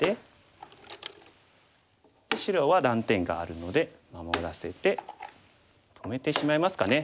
で白は断点があるので守らせて止めてしまいますかね。